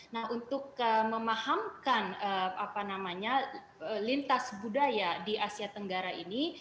nah untuk memahamkan lintas budaya di asia tenggara ini